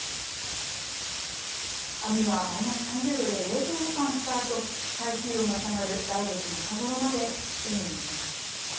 網はマイナス３０度で冷凍保管したあと海水温が下がる来月中頃まで海に出ます。